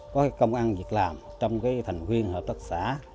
có cái công ăn việc làm trong cái thành viên hợp tác xã